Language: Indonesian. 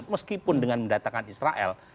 meskipun dengan mendatangkan israel